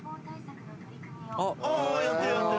ああやってるやってる。